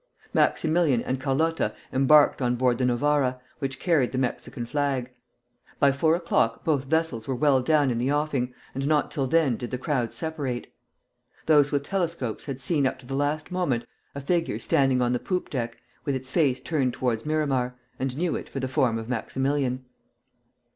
Maximilian and Carlotta embarked on board the "Novara," which carried the Mexican flag. By four o'clock both vessels were well down in the offing, and not till then did the crowd separate. Those with telescopes had seen up to the last moment a figure standing on the poop deck, with its face turned towards Miramar, and knew it for the form of Maximilian.